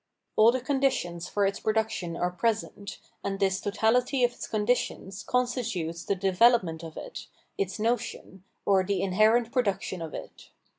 All the conditions for its production are present, and this totality of its conditions constitutes the de velopment of it, its notion, or the inherent produc tion of it.